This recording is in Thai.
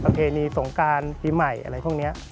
ประเพณีสงกรรมปีใหม่อะไรตรงนี้